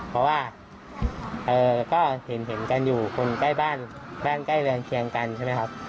เพราะว่าก็เห็นกันอยู่คนใกล้บ้านบ้านใกล้เรือนเคียงกันใช่ไหมครับ